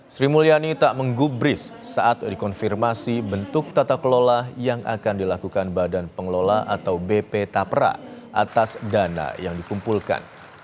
sri mulyani tak menggubris saat dikonfirmasi bentuk tata kelola yang akan dilakukan badan pengelola atau bp tapra atas dana yang dikumpulkan